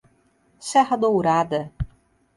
Serra Dourada